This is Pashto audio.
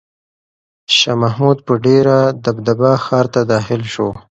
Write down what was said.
شاه محمود په ډېره دبدبه ښار ته داخل شو.